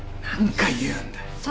何回言うんだよ。